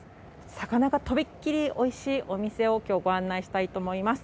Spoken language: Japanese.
魚がとびっきりおいしいお店を今日ご案内したいと思います。